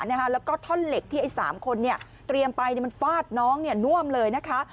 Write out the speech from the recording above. แล้วก็ท่อนเหล็กที่ไอ้๓คนเตรียมไปมันฟาดน้องน่วมเลยนะคะ